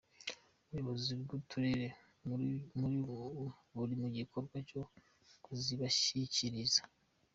Ubuyobozi bw’Uturere buri mu gikorwa cyo kuzibashyibashyikiriza.